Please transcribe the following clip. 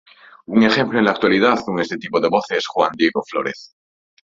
Un ejemplo en la actualidad con este tipo de voz es "Juan Diego Florez".